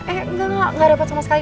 eee enggak gak repot sama sekali